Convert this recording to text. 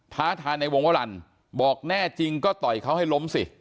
ท้าทายในวงวรรณบอกแน่จริงก็ต่อยเขาให้ล้มสิ